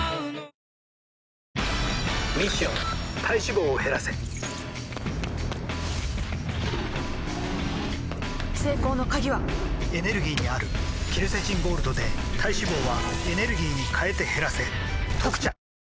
ミッション体脂肪を減らせ成功の鍵はエネルギーにあるケルセチンゴールドで体脂肪はエネルギーに変えて減らせ「特茶」